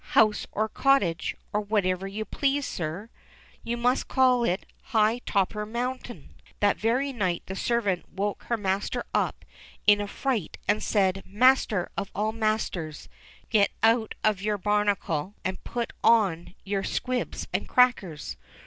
"House or cottage, or whatever you please, sir." "You must call it 'high topper mountain.'" That very night the servant woke her master up in a fright and said, "Master of all masters, get out of your bar nacle and put on your squibs and crackers.